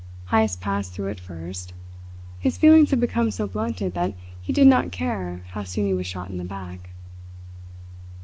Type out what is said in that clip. Heyst passed through it first. His feelings had become so blunted that he did not care how soon he was shot in the back.